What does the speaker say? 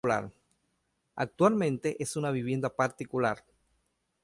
Actualmente es una vivienda particular.